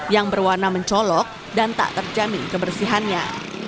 yang berwarna mencolok dan tak terjamin kebersihannya